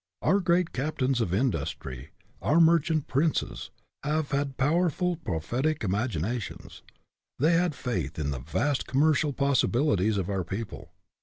Our great cap tains of industry, our merchant princes, have had powerful, prophetic imaginations. They had faith in the vast commercial possibilities of our people.